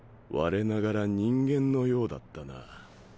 我ながら人間のようだったな。